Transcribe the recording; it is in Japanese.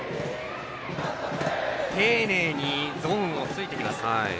丁寧にゾーンをついてきます。